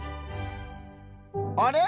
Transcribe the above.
あれ？